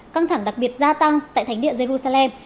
căng thẳng đặc biệt gia tăng tại thánh địa jerusalem